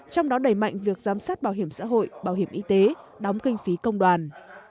trong đó đẩy mạnh việc giám sát bảo hiểm xã hội bảo hiểm y tế đóng kinh phí công đoàn